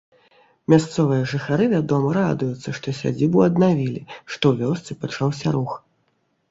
Мясцовыя жыхары, вядома, радуюцца, што сядзібу аднавілі, што ў вёсцы пачаўся рух.